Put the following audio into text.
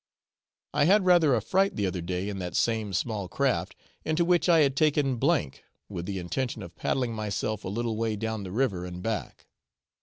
I had rather a fright the other day in that same small craft, into which I had taken S , with the intention of paddling myself a little way down the river and back.